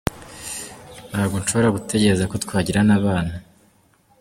Ntabwo nshobora gutegereza ko twagirana abana.